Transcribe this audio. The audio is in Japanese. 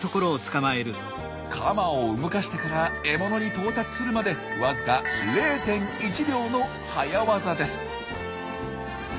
カマを動かしてから獲物に到達するまでわずか０．１秒の早業です。